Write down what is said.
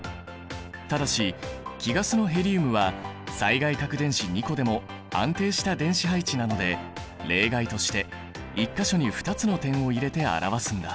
ただし貴ガスのヘリウムは最外殻電子２個でも安定した電子配置なので例外として１か所に２つの点を入れて表すんだ。